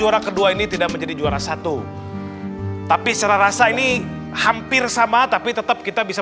juara kedua ini tidak menjadi juara satu tapi secara rasa ini hampir sama tapi tetap kita bisa